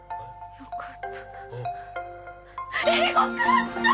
よかった！！